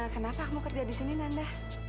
kenapa kamu kerja di sini nanda